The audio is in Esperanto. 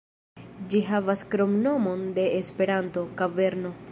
Ĝi havas kromnomon de Esperanto, "Kaverno".